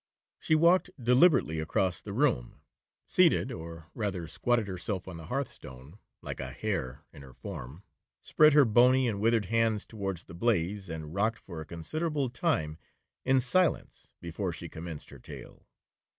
She walked deliberately across the room, seated, or rather squatted herself on the hearth stone like a hare in her form, spread her bony and withered hands towards the blaze, and rocked for a considerable time in silence before she commenced her tale.